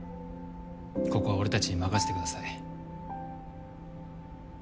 ここは俺達に任せてください